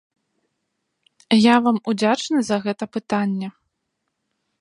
Я вам удзячны за гэта пытанне.